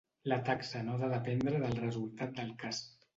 La taxa no ha de dependre del resultat del cas.